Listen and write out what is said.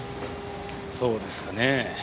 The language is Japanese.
そうですかね？